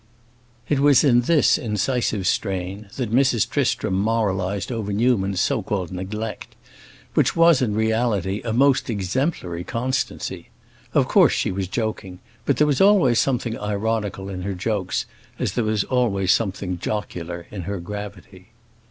It was in this incisive strain that Mrs. Tristram moralized over Newman's so called neglect, which was in reality a most exemplary constancy. Of course she was joking, but there was always something ironical in her jokes, as there was always something jocular in her gravity.